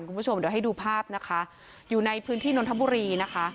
คุณผู้ชมเดี๋ยวให้ดูภาพนะคะอยู่ในพื้นที่นนทบุรีนะคะ